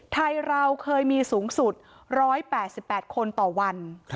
ไทยเราเคยมีสูงสุด๑๘๘คนต่อวัน